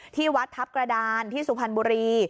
ที่วัดทัพกระดานที่สุพรรณบุรี